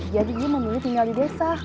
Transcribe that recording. jadi dia memilih tinggal di desa